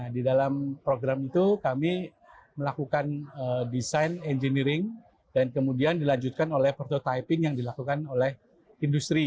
di dalam program itu kami melakukan desain engineering dan kemudian dilanjutkan oleh prototyping yang dilakukan oleh industri